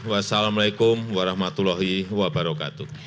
wassalamu'alaikum warahmatullahi wabarakatuh